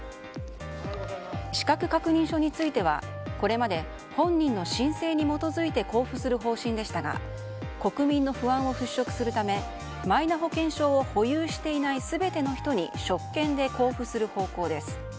資格確認書についてはこれまで、本人の申請に基づいて交付する方針でしたが国民の不安を払しょくするためマイナ保険証を保有していない全ての人に職権で交付する方向です。